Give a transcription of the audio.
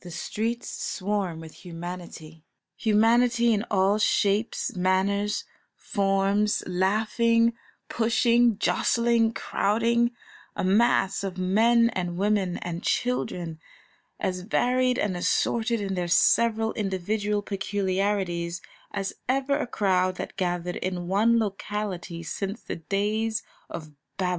The streets swarm with humanity, humanity in all shapes, manners, forms, laughing, pushing, jostling, crowding, a mass of men and women and children, as varied and assorted in their several individual peculiarities as ever a crowd that gathered in one locality since the days of Babel.